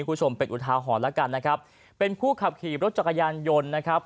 คุณผู้ชมเป็นอุทาหรณ์แล้วกันนะครับเป็นผู้ขับขี่รถจักรยานยนต์นะครับ